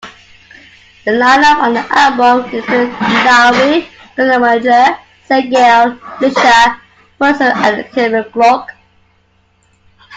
The lineup on the album included Lowery, Krummenacher, Segel, Lisher, Pedersen and Immergluck.